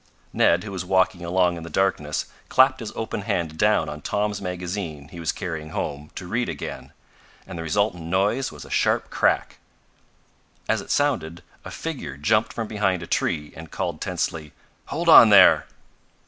Ned, who was walking along in the darkness, clapped his open hand down on Tom's magazine he was carrying home to read again, and the resultant noise was a sharp crack. As it sounded a figure jumped from behind a tree and called tensely: "Hold on there!"